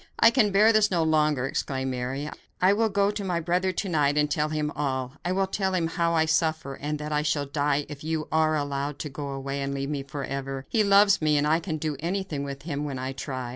"I can bear this no longer," exclaimed Mary. "I will go to my brother to night and tell him all; I will tell him how I suffer, and that I shall die if you are allowed to go away and leave me forever. He loves me, and I can do anything with him when I try.